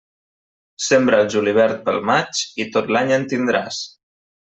Sembra el julivert pel maig i tot l'any en tindràs.